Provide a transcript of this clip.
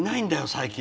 最近。